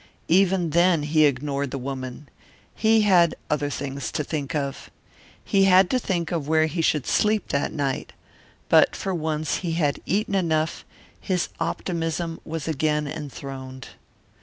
Even then he ignored the woman. He had other things to think of. He had to think of where he should sleep that night. But for once he had eaten enough; his optimism was again enthroned.